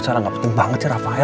salah gak penting banget sih rafael